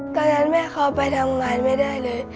ตอนนั้นแม่เขาไปทำงานไม่ได้เลย